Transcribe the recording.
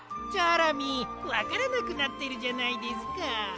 チョロミーわからなくなってるじゃないですか。